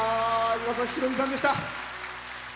岩崎宏美さんでした。